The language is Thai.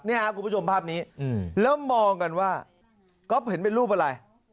นี่ครับคุณผู้ชมภาพนี้แล้วมองกันว่าก๊อฟเห็นเป็นรูปอะไร